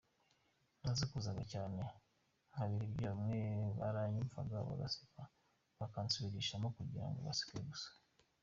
Narasakuzaga cyane nkabira ibyuya, bamwe baranyumvaga bagaseka bakansubirishamo kugira ngo baseke gusa.